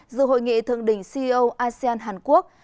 dự hội nghị thượng đỉnh ceo asean hàn quốc